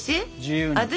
私？